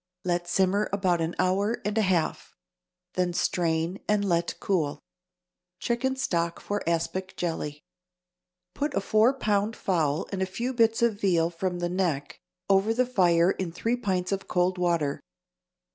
Let simmer about an hour and a half; then strain and let cool. =Chicken Stock for Aspic Jelly.= Put a four pound fowl and a few bits of veal from the neck over the fire in three pints of cold water.